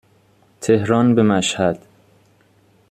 تهران به مشهد